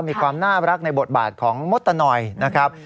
มีความน่ารักในบทบาทของมดตนอยนะครับ